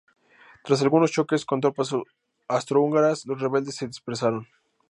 Tras algunos choques con tropas austrohúngaras, los rebeldes se dispersaron.